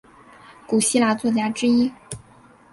古希腊作家之一。